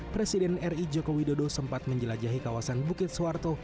presiden ri jokowi dodo sempat menjelajahi kawasan bukit suharto